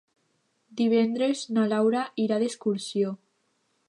Divendres na Laura irà d'excursió.